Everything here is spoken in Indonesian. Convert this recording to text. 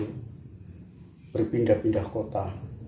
untuk pindah pindah kota